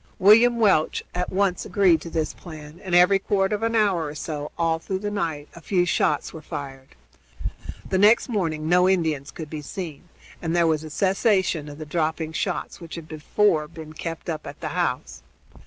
William Welch at once agreed to this plan, and every quarter of an hour or so all through the night a few shots were fired. The next morning no Indians could be seen, and there was a cessation of the dropping shots which had before been kept up at the house.